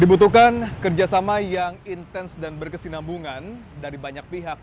dibutuhkan kerjasama yang intens dan berkesinambungan dari banyak pihak